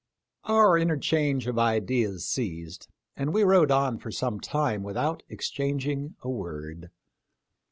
Our interchange of ideas ceased, and we rode on for some time without exchanging a word.